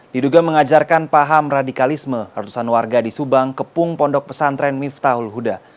diduga mengajarkan paham radikalisme ratusan warga di subang kepung pondok pesantren miftahul huda